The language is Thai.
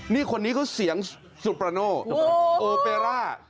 นี่คนนี้เขาเสียงสุประโนโอเปร่า